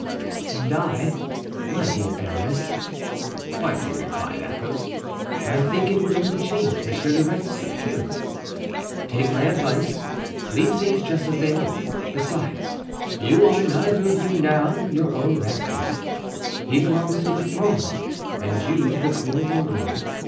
"And I, my dear Aramis," quietly replied Athos, "I think it would only change Monsieur de Retz's appearance. Take my advice, leave things just as they are; besides, you are neither of you now your own masters; he belongs to the Fronde and you to the queen of England.